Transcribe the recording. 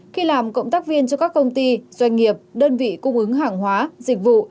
khi làm cộng tác viên cho các công ty doanh nghiệp đơn vị cung ứng hàng hóa dịch vụ